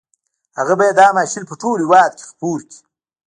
هغه بايد دا ماشين په ټول هېواد کې خپور کړي.